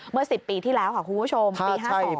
เมื่อ๑๐ปีที่แล้วค่ะคุณผู้ชมปี๕๒